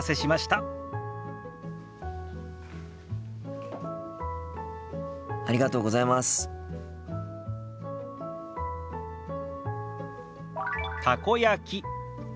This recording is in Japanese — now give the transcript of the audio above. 「たこ焼き」。